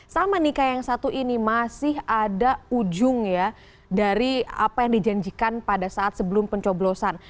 sama nikah yang satu ini masih ada ujung ya dari apa yang dijanjikan pada saat sebelum pencoblosan